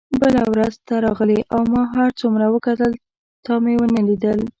بله ورځ ته راغلې او ما هر څومره وکتل تا مې ونه لیدل.